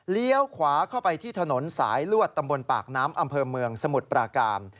ขวาเข้าไปที่ถนนสายลวดตำบลปากน้ำอำเภอเมืองสมุทรปราการ